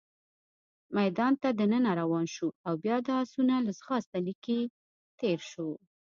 میدان ته دننه روان شوو، او بیا د اسونو له ځغاست لیکې تېر شوو.